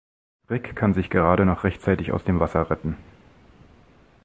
Rick kann sie gerade noch rechtzeitig aus dem Wasser retten.